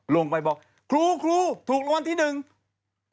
ลงไปบอกครูครูถูกลอตเตอรี่รวรรณที่๑